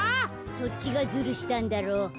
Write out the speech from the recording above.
そっちがずるしたんだろ。